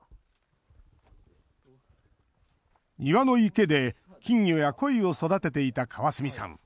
庭の池で金魚やコイを育てていた川角さん。